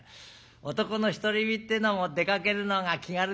男の独り身っていうのも出かけるのが気軽でいいな。